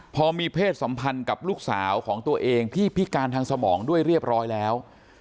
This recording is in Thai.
พอมีเพศสัมพันธ์กับลูกสาวของตัวเองที่พิการทางสมองด้วยเรียบร้อยแล้ว